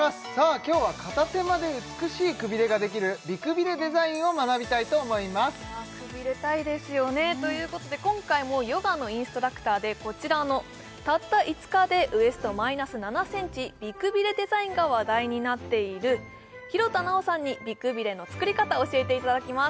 今日は片手間で美しいくびれができる美くびれデザインを学びたいと思いますくびれたいですよねということで今回もヨガのインストラクターでこちらの「たった５日でウエスト−７ｃｍ美くびれデザイン」が話題になっている廣田なおさんに美くびれの作り方教えていただきます